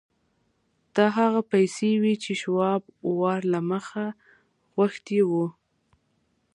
دا هغه پیسې وې چې شواب وار له مخه غوښتي وو